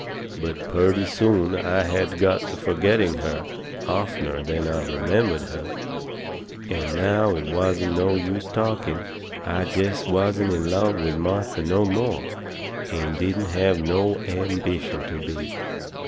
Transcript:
But purty soon I had got to forgetting her oftener than I remembered her. And now it wasn't no use talking I jest wasn't in love with Martha no more, and didn't have no ambition to be.